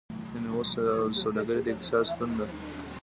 د میوو سوداګري د اقتصاد ستون ده.